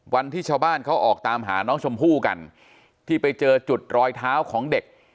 วันที่ชาวบ้านเขาออกตามหาน้องชมพู่กันที่ไปเจอจุดรอยเท้าของเด็ก